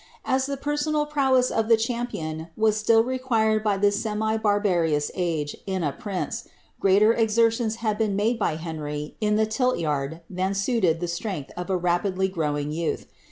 As the personal prowess of the champion was still required by this semi barbarous age in a prince, greater exertions had been made by Henry in the tilt yaird than suited me strength of a rapidly growing youth.